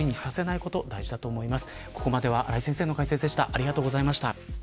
ここまでは新井先生の解説でした。